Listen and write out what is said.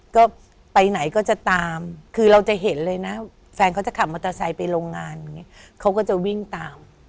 ก็ไปไหนก็จะตามคือเราจะเห็นเลยนะแฟนเขาจะขับมอเตอร์ไซค์ไปโรงงานเขาก็จะวิ่งตาม